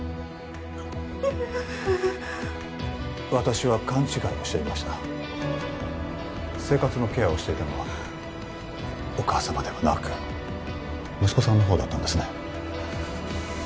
うう私は勘違いをしていました生活のケアをしていたのはお母様ではなく息子さんの方だったんですね